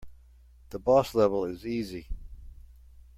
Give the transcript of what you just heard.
The boss level is easy.